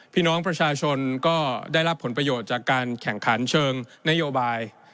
พี่น้องประชาชนก็ได้รับผลประโยชน์จากการแข่งขันเชิงนโยบาย